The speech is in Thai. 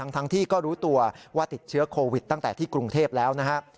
ทั้งที่ก็รู้ตัวว่าติดเชื้อโควิดตั้งแต่ที่กรุงเทพแล้วนะครับ